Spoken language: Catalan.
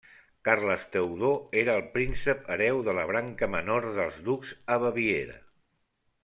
Carles Teodor era el príncep hereu de la branca menor dels ducs a Baviera.